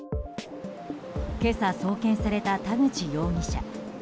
今朝、送検された田口容疑者。